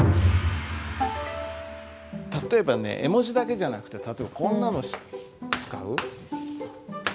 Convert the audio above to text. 例えばね絵文字だけじゃなくて例えばこんなの使う？